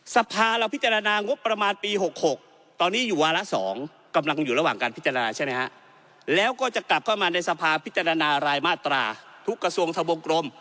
สภาเราพิจารณางบประมาณปี๖๖ตอนนี้อยู่วาระ๒กำลังอยู่ระหว่างการพิจารณาใช่ไหมฮะแล้วก็จะกลับเข้ามาในสภาพิจารณารายมาตราทุกกระทรวงทะวงกลม